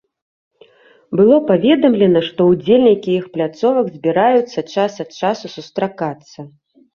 Было паведамлена, што ўдзельнікі іх пляцовак збіраюцца час ад часу сустракацца.